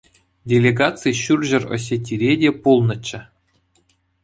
Делегаци Ҫурҫӗр Осетире те пулнӑччӗ.